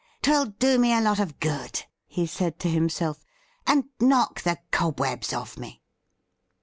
' 'Twill do me a lot of goods'^ he said to himself, ' and knock the cobwebs oiF me.'